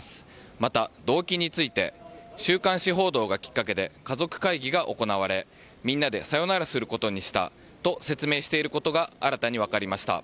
また、動機について週刊誌報道がきっかけで家族会議が行われみんなでさよならすることにしたと説明していることが新たに分かりました。